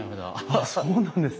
あっそうなんですね。